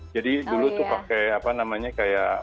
jadi dulu itu pakai apa namanya kayak